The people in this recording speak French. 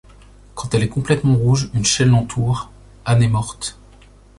Quand elle est complètement rouge, une chaîne l'entoure, Anne est morte.